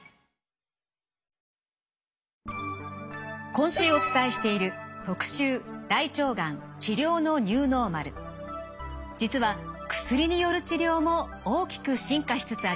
今週お伝えしている実は薬による治療も大きく進化しつつあります。